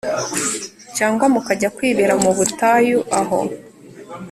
cyangwa mukajya kwibera mu butayu aho